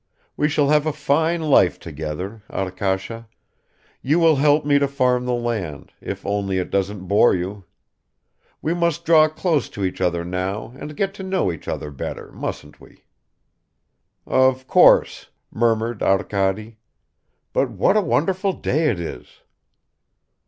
We shall have a fine life together, Arkasha; you will help me to farm the land, if only it doesn't bore you. We must draw close to each other now and get to know each other better, mustn't we?" "Of course," murmured Arkady. "But what a wonderful day it is!"